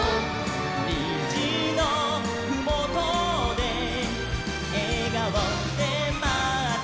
「にじのふもとでえがおでまってるきみがいる」